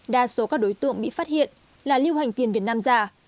đa số các đối tượng bị phát hiện là lưu hành tiền việt nam giả